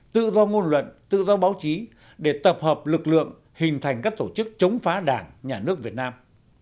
tự do ngôn luận tự do báo chí để tập hợp lực lượng hình thành các tổ chức chống phá đảng nhà nước việt nam